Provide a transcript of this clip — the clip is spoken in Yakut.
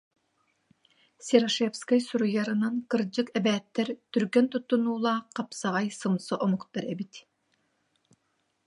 Серошевскай суруйарынан, кырдьык, эбээттэр түргэн туттунуулаах, хапсаҕай, сымса омуктар эбит